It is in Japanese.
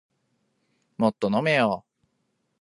もっと飲めよ